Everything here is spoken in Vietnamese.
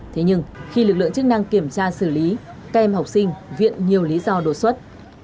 thế nhưng khi lực lượng chức năng kiểm tra xử lý các em học sinh viện nhiều lý do đột xuất